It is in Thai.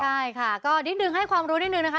ใช่ค่ะก็นิดนึงให้ความรู้นิดนึงนะคะ